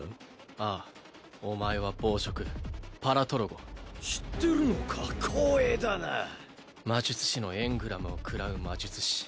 ああお前は暴食パラトロゴ知ってるのか光栄だな魔術師のエングラムを食らう魔術師